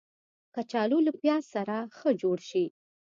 کچالو له پیاز سره ښه جوړ شي